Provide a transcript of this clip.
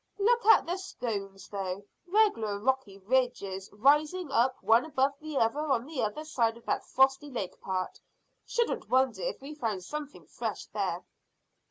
Look at the stones, though. Regular rocky ridges rising up one above the other on the other side of that frosty lake part. Shouldn't wonder if we found something fresh there."